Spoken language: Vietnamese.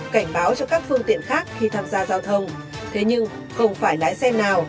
cảnh báo cho các phương tiện khác khi tham gia giao thông thế nhưng không phải lái xe nào